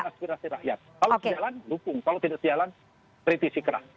kalau tidak jalan lupung kalau tidak jalan kritisi keras